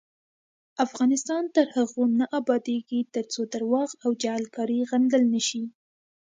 افغانستان تر هغو نه ابادیږي، ترڅو درواغ او جعلکاری غندل نشي.